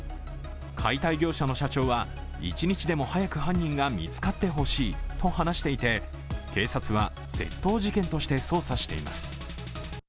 解体業者の社長は、一日でも早く犯人が見つかってほしいと話していて、警察は窃盗事件として捜査しています。